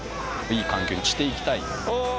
いい環境にして行きたい。